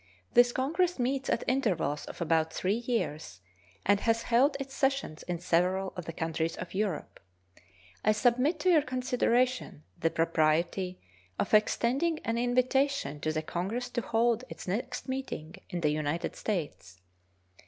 This congress meets at intervals of about three years, and has held its sessions in several of the countries of Europe. I submit to your consideration the propriety of extending an invitation to the congress to hold its next meeting in the United States.